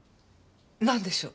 なんでしょう？